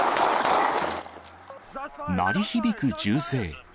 鳴り響く銃声。